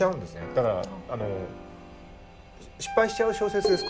だからあの失敗しちゃう小説です